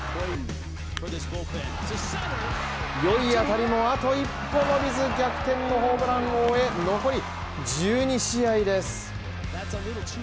よい当たりもあと一歩伸びず、逆転のホームラン王へ残り１２試合です。